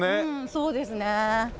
そうですね。